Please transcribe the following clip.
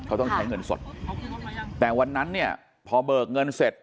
เขาต้องใช้เงินสดแต่วันนั้นเนี่ยพอเบิกเงินเสร็จ